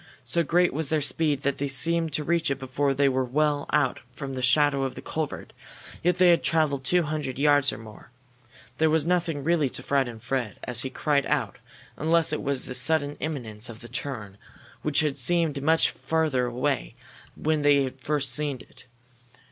So great was their speed that they seemed to reach it before they were well out from the shadow of the culvert, yet they had traveled two hundred yards or more. There was nothing really to frighten Fred as he cried out unless it was the sudden imminence of the turn, which had seemed much further away when they had first seen it.